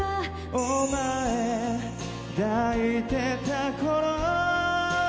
「お前抱いてた頃」